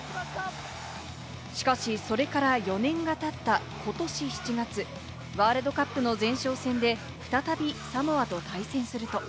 しかし、それから４年が経った、ことし７月、ワールドカップの前哨戦で再びサモアと対戦すると。